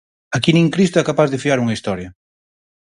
Aquí nin Cristo é capaz de fiar unha historia.